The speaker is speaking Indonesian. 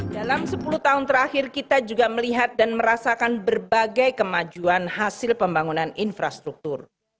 dalam sepuluh tahun terakhir kita juga melihat dan merasakan berbagai kemajuan hasil pembangunan infrastruktur